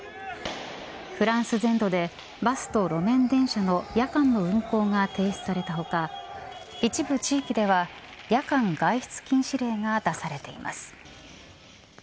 フランス全土でバスと路面電車の夜間の運行が停止された他一部地域では夜間外出禁止令が出されています。